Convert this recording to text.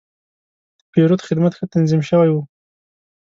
د پیرود خدمت ښه تنظیم شوی و.